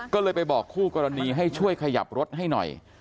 ก็เลยไปบอกคู่กรณีให้ช่วยขยับรถให้หน่อย